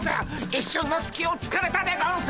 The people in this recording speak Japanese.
一瞬のすきをつかれたでゴンス！